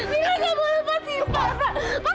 enggak kamu lepasin bapak